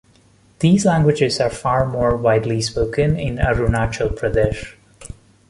These languages are far more widely spoken in Arunachal Pradesh.